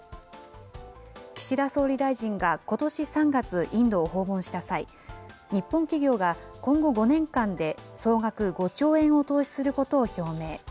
岸田総理大臣がことし３月、インドを訪問した際、日本企業が今後５年間で総額５兆円を投資することを表明。